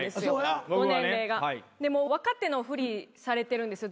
でも若手のふりされてるんですよ